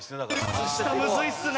靴下むずいっすね！